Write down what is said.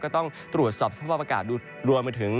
ก็ต้องตรวจสอบสภาพอากาศดูรวมไปถึง